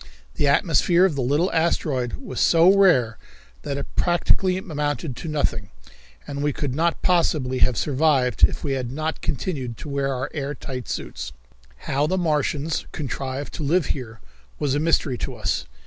The atmosphere of the little asteroid was so rare that it practically amounted to nothing, and we could not possibly have survived if we had not continued to wear our air tight suits. How the Martians contrived to live here was a mystery to us.